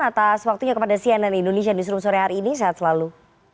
atas waktunya kepada cnn indonesia newsroom sore hari ini sehat selalu